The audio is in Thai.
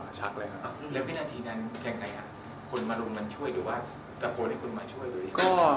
แล้วนาทีนั้นคือยังไงครับคนมาโรงมันช่วยหรือว่าตะโกรดให้คุณมาช่วย